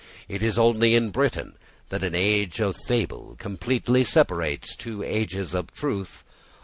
It is only in Britain that an age of fable completely separates two ages of truth.